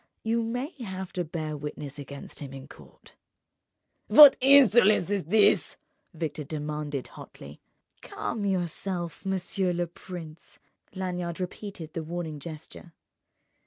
You may have to bear witness against him in court." "What insolence is this?" Victor demanded, hotly. "Calm yourself, monsieur le prince." Lanyard repeated the warning gesture.